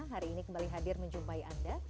hari ini kembali hadir menjumpai anda